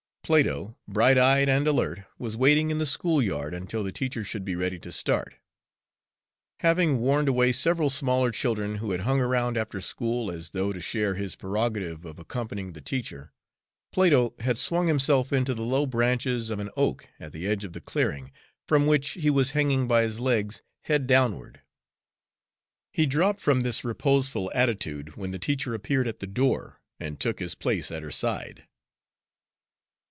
Plato, bright eyed and alert, was waiting in the school yard until the teacher should be ready to start. Having warned away several smaller children who had hung around after school as though to share his prerogative of accompanying the teacher, Plato had swung himself into the low branches of an oak at the edge of the clearing, from which he was hanging by his legs, head downward. He dropped from this reposeful attitude when the teacher appeared at the door, and took his place at her side.